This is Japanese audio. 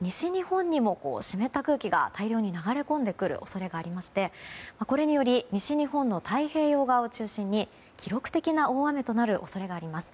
西日本にも湿った空気が大量に流れ込んでくる恐れがありましてこれにより西日本の太平洋側を中心に記録的な大雨となる恐れがあります。